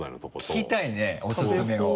聞きたいねおすすめを。